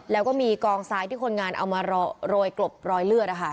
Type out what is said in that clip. แล้วก็มีกองซ้ายที่คนงานเอามาโรยกลบรอยเลือด